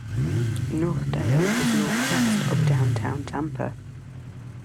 Northdale is north-northwest of downtown Tampa.